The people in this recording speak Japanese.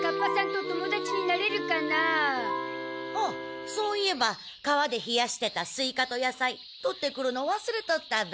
おおそういえば川で冷やしてたスイカと野菜取ってくるの忘れとったべ。